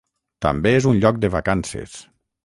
També és un lloc de vacances.